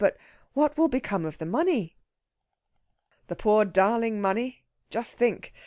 But what will become of the money?" "The poor darling money? Just think!